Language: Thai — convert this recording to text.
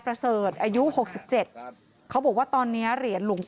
เพราะทนายอันนันชายเดชาบอกว่าจะเป็นการเอาคืนยังไง